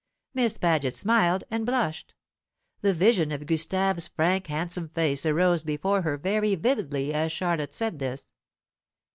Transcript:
Miss Paget smiled and blushed. The vision of Gustave's frank handsome face arose before her very vividly as Charlotte said this.